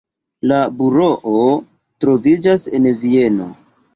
La buroo troviĝas en Vieno.